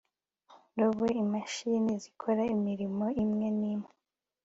robo imashini zikora imirimo imwe n'imwe